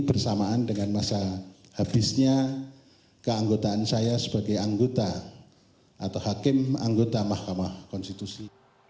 bersamaan dengan masa habisnya keanggotaan saya sebagai anggota atau hakim anggota mahkamah konstitusi